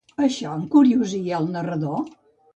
Això encuriosia al narrador?